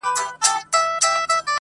لکه برېښنا هسي د ژوند پر مزار وځلېده٫